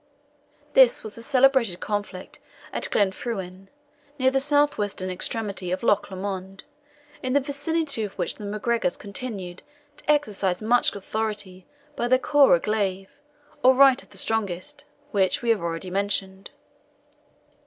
This was the celebrated conflict at Glenfruin, near the southwestern extremity of Loch Lomond, in the vicinity of which the MacGregors continued to exercise much authority by the coir a glaive, or right of the strongest, which we have already mentioned.